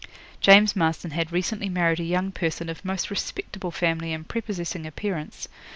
James Marston had recently married a young person of most respectable family and prepossessing appearance.